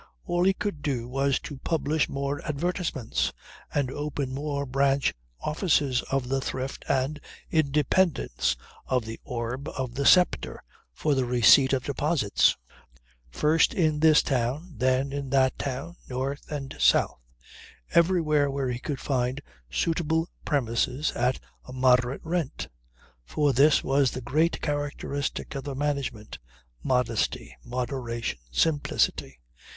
All he could do was to publish more advertisements and open more branch offices of the Thrift and Independence, of The Orb, of The Sceptre, for the receipt of deposits; first in this town, then in that town, north and south everywhere where he could find suitable premises at a moderate rent. For this was the great characteristic of the management. Modesty, moderation, simplicity.